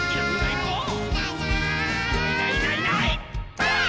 ばあっ！